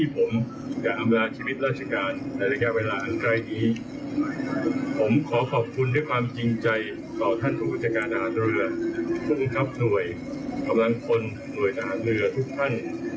ผมขอขอบคุณด้วยความจริงใจต่อท่านฐูกศักดาลเรือคุณครับหน่วยกำลังคนหน่วยต่างเรือทุกท่าน